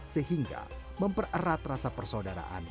sehingga mempererat rasa persaudaraan